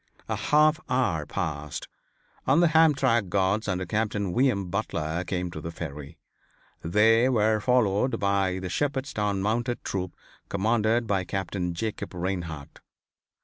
A half hour passed and the Hamtramck guards under Captain V. M. Butler came to the Ferry. They were followed by the Shepherdstown Mounted Troop commanded by Captain Jacob Reinhart.